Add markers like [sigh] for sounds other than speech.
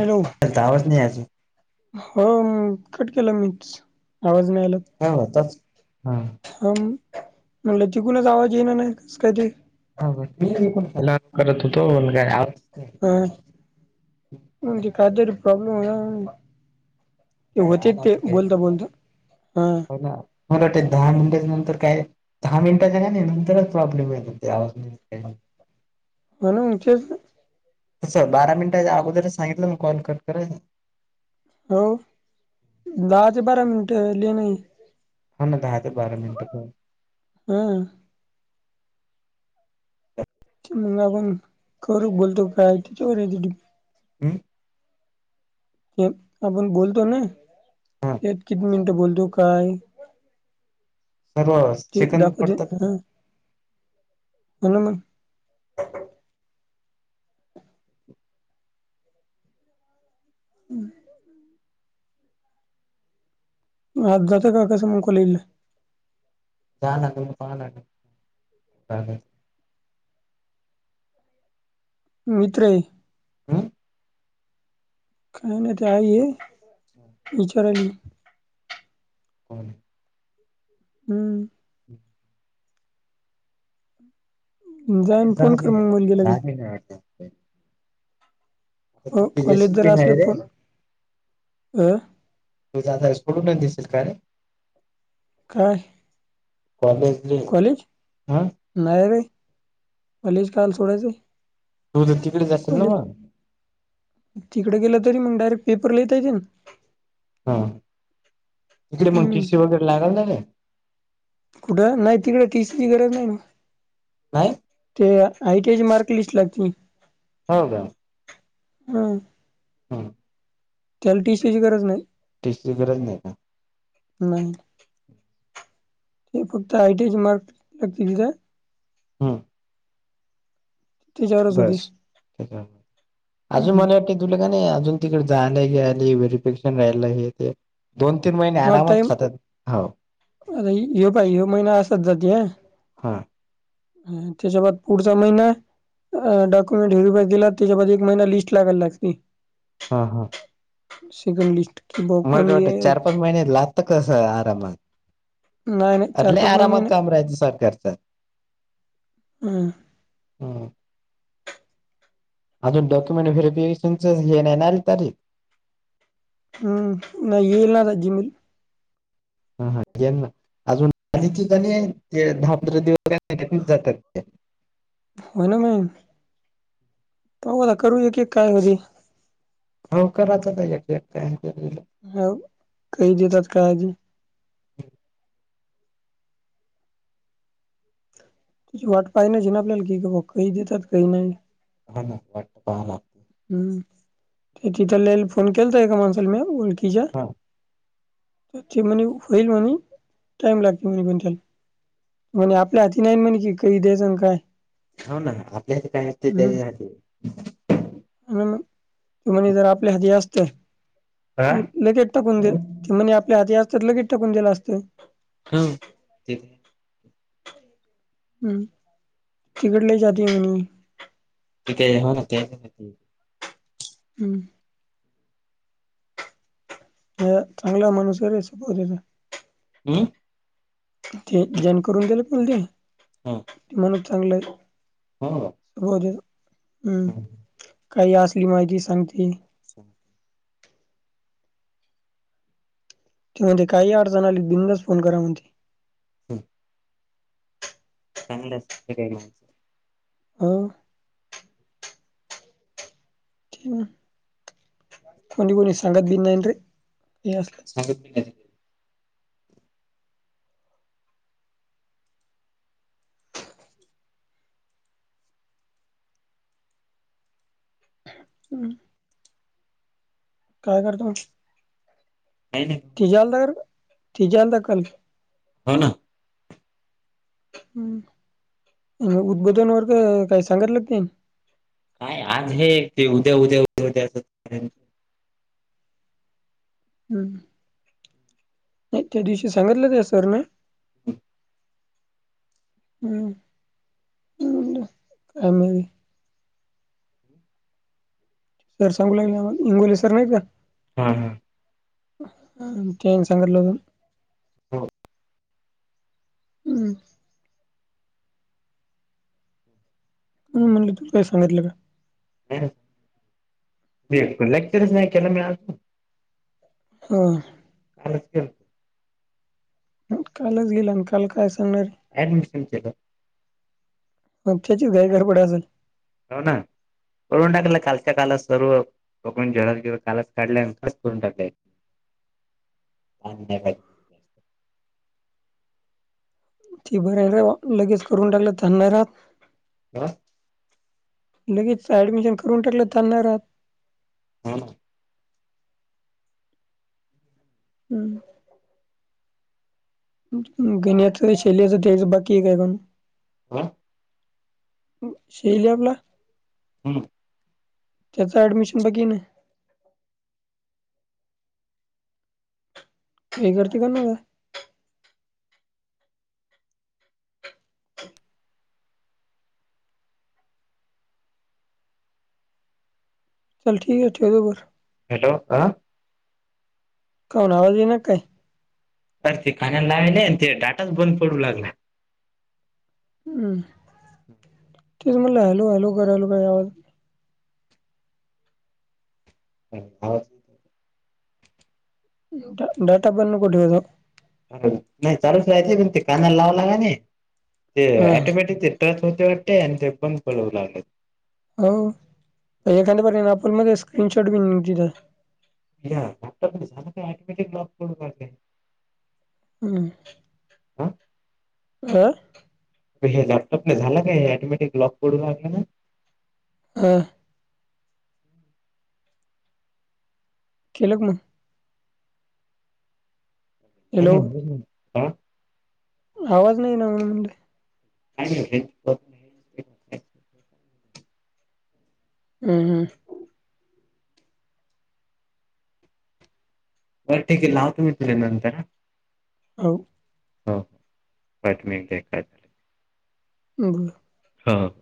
Hello? दहा [unintelligible] नाही अजून. हो, कट केलं मीच, आवाज नाय आला काय होताच हा हम, म्हटलं तिकूनच आवाज येईना नाय कसं काय ते [unintelligible] करत होतो, [unintelligible] काय आत [unintelligible] काहीतरी प्रॉब्लेम [unintelligible] ते काय होतेत आला ते, असं काही बोलता बोलता, हा. होतात ते, दहा मिनटा नंतर काय दहा मिनिटाच्या काय नाही, नंतरच प्रॉब्लेम ययेतात ते, आवाज नाई येत काय नई. हो ना, तेच. कसं बारा मिनिटाच्या अगोदरच सांगितलं ना, कॉल कट करायचं? हो, दहा ते बारा मिनिट, लय नाही. हा ना, दहा ते बारा मिनिटं प हा. म आपण करू बोलतो काय, तिच्यावर हाय [unintelligible] हम्म ते आपण बोलतो नई, हा ते किती मि बोलतो काय? सर्व ते सेकंद दाखवते पडतात ना ह हो न मग हम्म. आज जातो का, कसं मग कॉलेजला? [unintelligible] मित्र हाय हम? काय नाही, ते आई ये विचारा हम्म. हम्म. [inaudible] जाईन फोन कर मग मुलगीला मी [unintelligible] आता हो, तू कॉलेज येशील जर बी असले नाही रे फोन अ तू जात [unintelligible] सोडून दिसील काय काय, कॉलेजले कॉलेज? हा नाय रे, कॉलेज काईला सोडायचं? तू तर तिकडेच असेशील ना म? तिकडं गेलं तरी मंग डायरेक्ट पेपरला येता येते ना. हा, तिकडे मग हम्म टीशी वगैरे लागल ना रे? कुठं? नायी तिकड टीसीची गरज नाहीये. नाही. ते आयटीआयची मार्क लिस्ट लागतील. हो का? हं. हं. त्याला टीसीची गरज नायी. टी सी ची गरज नाही का? नाही. ते फक्त आयटीचे मार्क मागतील ते. हम्म. त्याच्यावरच होती बस. [unintelligible] अजून हम्म मला ते तुला का नायी अजून तिकडे जायाले यायाले व्हेरिफिकेशन राहिला हे ते दोन तीन महिने हा आरामात टाईम खातात. हो आता ह्यो पाय ह्यो महिना हा. ह. त्याच्या बा पुढचा महिना. अ डॉक्युमेंट व्हिरीफाय केला, त्याच्यामध्ये एक महिना लिस्ट लागायला लागते. हा हा. [unintelligible] लिस्ट कि ब मला तर कोणी वाटत चार पाच महिने लागत कस आरामात नाही नाही अरे चार लय पाच महिने आरामात नाही. काम राहायत सरकारच. हं. हम्म. अजून डॉक्युमेंट व्हेरीफिकेशनच हे नाही ना रे आली तारीख? हम्म नाही येईल ना आता जि हा- हा जना अजून आधीच ते दहा पंधरा दिवस जातात होय ना मंग. पाहू आता करू एकेक काय तरी. मंग कराच त एकेक काय [unintelligible] ह काही देतात काळजी. तुची वाट पाय नाहीचीे ना आपल्याला की ब काही देतात काही नाही हा ना वाट पाहा हम्म ते तिथल्ल्याला फोन केलता एका माणसाल मी ओळखीच्या हा त ते म्हनी होईल म्हनी टाइम लागते म्हनी त्याला म्हणे आपल्या हाती नाहीना म्हणे कधी दयाच अन काय. हौ ना. आपल्या हातात काय नसते. [unintelligible] हौ ना. तुम्ही जर आपल्या हाती असतं हा लगेच टाकून द. हो ते म्हणजे आपल्या हाती असते त लगेच टाकून दिल असत हम्म, ते हम्म, तिकट ल जात म्ह [unintelligible] हम्म. ह चांगला माणूस आहे. [unintelligible] हम्म ते जेन करून गेलं पोल ते हा ते म्हणत चांगलं हो [unintelligible] हम् हम्म काही असली माहिती सांगतील अच्छा! ती म्हणती, काही आडचण आली बिनधास्त फोन करा म्हणती हम चांगलंय [unintelligible] हं ते ना कोणी कोणी सांगत बि नाहीन रे हे असलं सांगत बी नायत हम्म. काय करताव? कायी नायी तिज्या आलता का र तिज्या आलता का काल? हो ना हम् उद्बोधन वर्ग काय सांगतलं का त्यानी काय आज हे ते उद्या उद्या उद्या असय [unintelligible] हम् नाही त्या दिवशी सांगितलं त्या सर ने हो हम् हम् आ मग सर सांगू लागले, आम्हाला इंगोले सर नायी का? हा हा तेन सांगतल होत हो हम् म्हणून म्हटलं तू काय सांगितलं का? बकुल [unintelligible] लेक्चरच नाही केलं मी आज तर होय कालच केल कालच गेला, आण काल काय सांगणारे? ॲडमिशन केलं मग त्याचीच घाई गडबड असल? हो ना करून टाकला कालच्या कालच सर्व ओपन झेरॉक्स बिराॅक्स् कालच काढल्या अण कालच करून टाकल्या [unintelligible] ती बरयर लगेच करून टाकलं की, तान नाय राहात हा लगीच ऍडमिशन करून टाकलं तान नाय राहात हो न हम्म गीन्याच शैल्याच द्यायच बाकीय काय कायणु? हा शैल्या आपला? हो ना त्याचं ऍडमिशन बाकीय ना? काय करती कायणु म? चल ठीकय ठेवतो बर? हॅलो! आ? कावून आवाज यी ना का काय? तर ते खाण्या [unintelligible] आणि ते डाटाच बंद पडू लागला. हम्म! तेच म्हटलं हॅलो, हॅलो, कारलो [unintelligible] हम, आवाज डाटा बंद नको ठेवत जावू नाही चालूच [unintelligible] पण ते कांनाला लावला का नई, ते हा ऑटोमॅटिक [unintelligible] वाटते आणि ते [unintelligible] हो, एखाद बर नापूल मध्ये स्क्रीनशॉट बि [unintelligible] या लॅपटॉप मध्ये झालं काय? ऑटोमॅटिक लॉक होऊन पडतंय. हम्. अ? अं हे लॅपटॉपला झाल काय, हे ऑटोमॅटिक लॉक पडू लागला ना? हा. [unintelligible] हॅलो [unintelligible] [inaudible] आवाज नाही ना [unintelligible] म्हणून म्हणल. आणि [unintelligible] हम हम. बरं ठीक आहे, लावतो मी तुले नंतर हा. हाव. हो, [unintelligible] बर. हां.